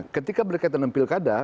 ketika berkaitan dengan pilkada